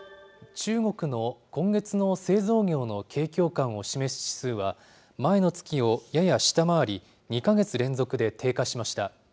中国の今月の製造業の景況感を示す指数は、前の月をやや下回り、２か月連続で低下しました。